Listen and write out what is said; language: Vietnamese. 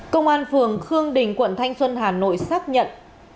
công an phường khương đình quận thanh xuân hà nội xác nhận